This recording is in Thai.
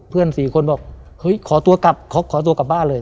สี่คนบอกเฮ้ยขอตัวกลับขอตัวกลับบ้านเลย